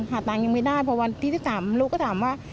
หาตังค์ยังไม่ได้พอวันที่๑๓ลูกก็ถามว่า